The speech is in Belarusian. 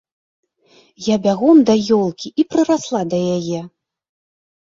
Я бягом да ёлкі і прырасла да яе.